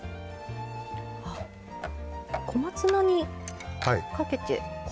小松菜にかけて。